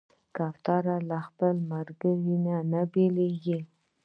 کوتره له خپل ملګري نه نه بېلېږي.